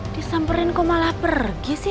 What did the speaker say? disamperin kau malah pergi sih